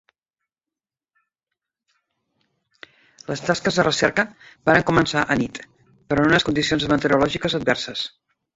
Les tasques de recerca varen començar anit, però en unes condicions meteorològiques adverses.